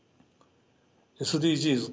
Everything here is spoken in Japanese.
ＳＤＧｓ